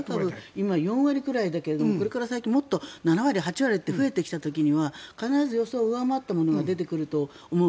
今４割くらいだけどこれから先もっと７割、８割と増えてきた時には必ず予想を上回ったことが出てくると思う。